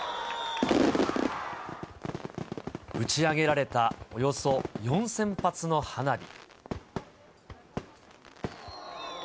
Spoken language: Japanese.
打ち上げられたおよそ４０００発の花火。